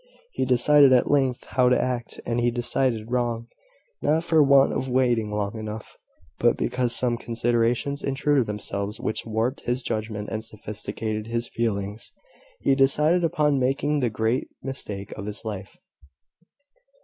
He decided at length how to act; and he decided wrong; not for want of waiting long enough, but because some considerations intruded themselves which warped his judgment, and sophisticated his feelings. He decided upon making the great mistake of his life.